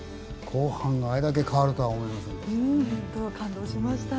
後半があれだけ変わるとは思いませんでした。